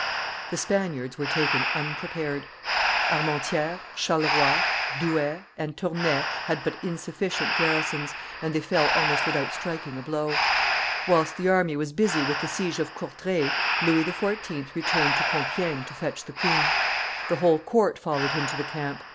The Spaniards were taken unprepared: Armentieres, Charleroi, Douai, and Tournay had but insufficient garrisons, and they fell almost without striking a blow. Whilst the army was busy with the siege of Courtray, Louis XIV. returned to Compiegne to fetch the queen. The whole court followed him to the camp.